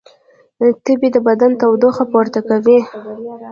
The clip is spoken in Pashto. تبې د بدن تودوخه پورته کوي